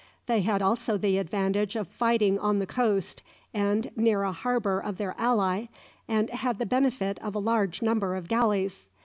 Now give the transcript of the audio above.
They had also the advantage of fighting on the coast, and near a harbour of their ally, and had the benefit of a large number of galleys.